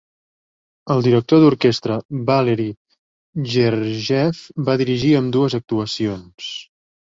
El director d'orquestra Valery Gergiev va dirigir ambdues actuacions.